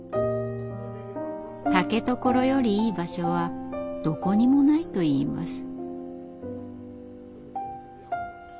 竹所よりいい場所はどこにもないといいます。